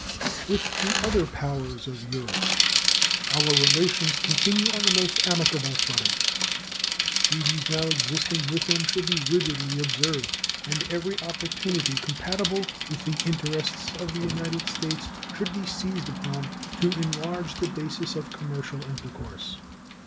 With the other powers of Europe our relations continue on the most amicable footing. Treaties now existing with them should be rigidly observed, and every opportunity compatible with the interests of the United States should be seized upon to enlarge the basis of commercial intercourse.